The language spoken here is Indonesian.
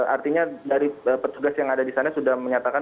artinya dari petugas yang ada di sana sudah menyatakan